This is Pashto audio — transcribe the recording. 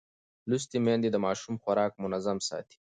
لوستې میندې د ماشوم خوراک منظم ساتي.